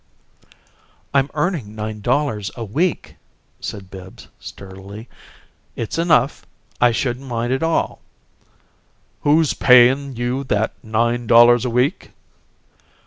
"I'm earning nine dollars a week," said Bibbs, sturdily. "It's enough. I shouldn't mind at all." "Who's payin' you that nine dollars a week?"